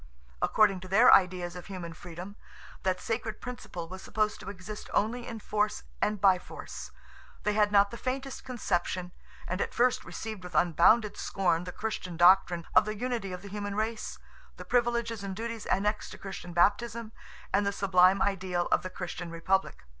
According to their ideas of human freedom, that sacred principle was supposed to exist only in force and by force; they had not the faintest conception, and at first received with unbounded scorn the Christian doctrine of the unity of the human race, the privileges and duties annexed to Christian baptism, and the sublime ideal of the Christian republic.